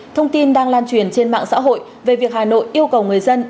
thông tin đang lan truyền trên mạng xã hội về việc hà nội yêu cầu người dân